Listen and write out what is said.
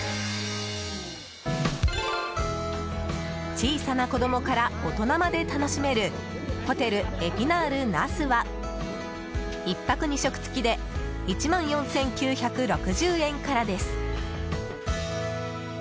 小さな子供から大人まで楽しめるホテルエピナール那須は１泊２食付きで１万４９６０円からです。